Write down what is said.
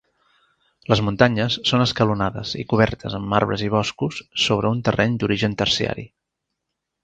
Les muntanyes són escalonades i cobertes amb arbres i boscos sobre un terreny d'origen terciari.